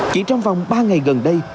chỉ trong vòng ba ngày gần đây